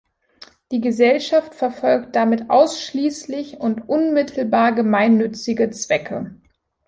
Die Gesellschaft verfolgt damit ausschließlich und unmittelbar gemeinnützige Zwecke.